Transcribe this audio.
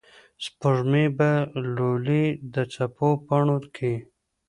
سپوږمۍ به لولي د څپو پاڼو کې